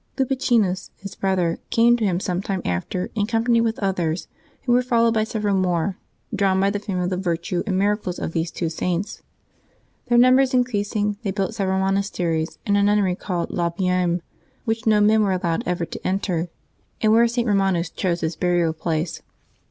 Lupicinus, his brother, came to him some time after in company with others, who were followed by several more, drawn by the fame of the virtue and miracles of these two Saints. Their numbers increasing, they built several monasteries, and a nunnery called La Beaume, w^hioh no men were allowed ever to enter, and where St. Eom.anus chose his burial place.